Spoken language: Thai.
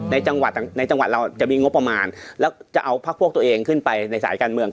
ในจังหวัดเราจะมีงบประมาณแล้วจะเอาพักพวกตัวเองขึ้นไปในสายการเมือง